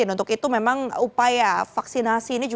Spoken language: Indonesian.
untuk itu memang upaya vaksinasi ini